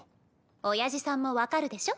おやじさんも分かるでしょ？